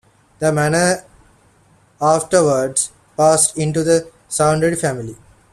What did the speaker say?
The manor afterwards passed into the Saunders family.